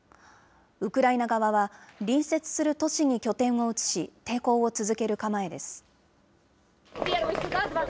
ウクライナ側は隣接する都市に拠点を移し、抵抗を続ける構えです。